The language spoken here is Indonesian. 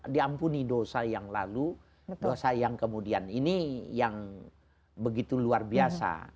diampuni dosa yang lalu dosa yang kemudian ini yang begitu luar biasa